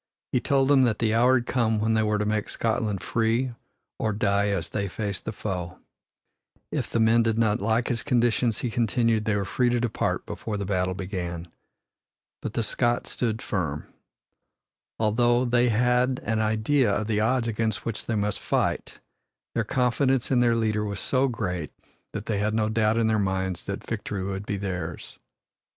He told them that the hour had come when they were to make Scotland free or die as they faced the foe. If the men did not like his conditions, he continued, they were free to depart before the battle began. But the Scots stood firm. Although they had an idea of the odds against which they must fight, their confidence in their leader was so great that they had no doubt in their minds that victory would be theirs.